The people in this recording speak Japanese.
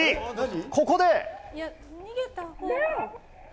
ここで。